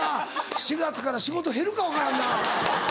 ４月から仕事減るかも分からんな。